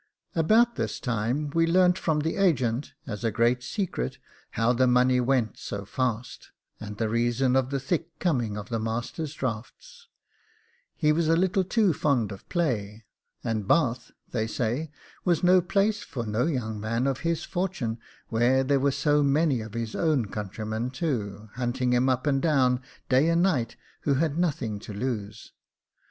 About this time we learnt from the agent, as a great secret, how the money went so fast, and the reason of the thick coming of the master's drafts: he was a little too fond of play; and Bath, they say, was no place for no young man of his fortune, where there were so many of his own countrymen, too, hunting him up and down, day and night, who had nothing to lose.